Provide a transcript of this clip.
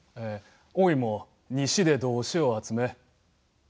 おいも西で同志を集め。